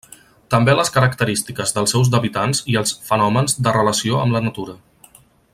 També les característiques dels seus d'habitants i els fenòmens de relació amb la natura.